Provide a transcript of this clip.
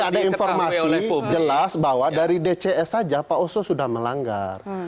ada informasi jelas bahwa dari dcs saja pak oso sudah melanggar